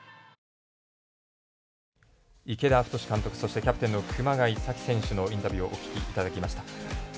池田太監督そして、熊谷紗希選手のインタビューをお聞きいただきました。